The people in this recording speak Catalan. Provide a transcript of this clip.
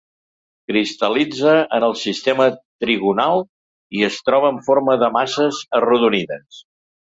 Cristal·litza en el sistema trigonal, i es troba en forma de masses arrodonides.